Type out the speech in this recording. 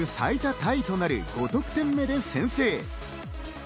タイとなる５得点目で先制。